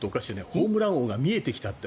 ホームラン王が見えてきたって。